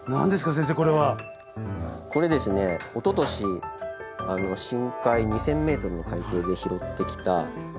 先生これは。これですねおととし深海２，０００ｍの海底で拾ってきた缶です。